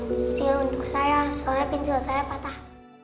pinsil untuk saya karena saya patah